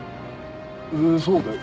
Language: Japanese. えそうだよ。